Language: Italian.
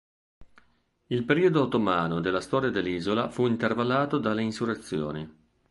Il periodo ottomano della storia dell'isola fu intervallato dalle insurrezioni.